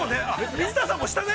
◆水田さんも、したね。